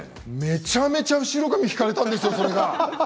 めちゃめちゃ後ろ髪を引かれたんです。